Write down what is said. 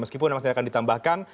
meskipun masih akan ditambahkan